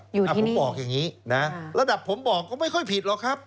อยู่ที่ประเทศนี้หรือครับผมบอกอย่างนี้นะระดับผมบอกก็ไม่ค่อยผิดหรอกครับ